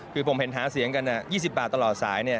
คือผมเห็นหาเสียงกัน๒๐บาทตลอดสาย